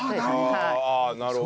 ああなるほどね。